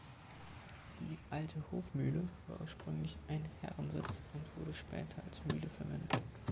Die "Alte Hofmühle" war ursprünglich ein Herrensitz und wurde später als Mühle verwendet.